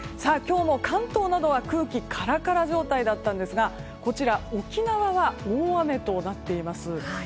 今日も関東などは空気カラカラ状態だったんですがこちら沖縄は大雨となっています。